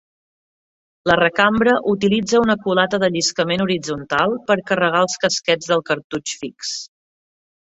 La recambra utilitza una culata de lliscament horitzontal per carregar els casquets del cartutx fix.